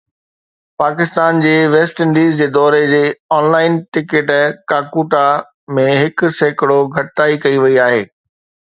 پاڪستان جي west indies جي دوري جي آن لائن ٽڪيٽ ڪاڪوتا ۾ هڪ سيڪڙو گهٽتائي ڪئي وئي آهي